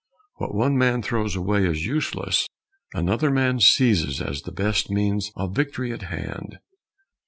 What one man throws away as useless, another man seizes as the best means of victory at hand.